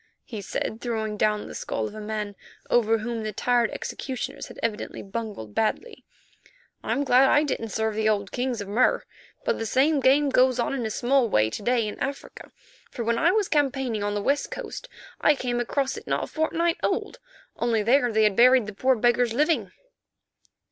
he said, throwing down the skull of a man over whom the tired executioners had evidently bungled badly, "I'm glad I didn't serve the old kings of Mur. But the same game goes on in a small way to day in Africa, for when I was campaigning on the West Coast I came across it not a fortnight old, only there they had buried the poor beggars living."